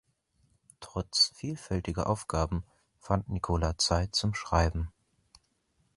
Trotz vielfältiger Aufgaben fand Nicola Zeit zum Schreiben.